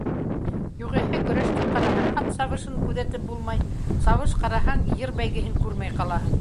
Юғиһә, көрәште ҡараһаң, ат сабышын күҙәтеп булмай, сабыш ҡараһаң, йыр бәйгеһен күрмәй ҡалаһың.